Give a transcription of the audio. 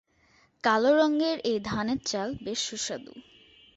কালো রংয়ের এই ধানের চাল বেশ সুস্বাদু।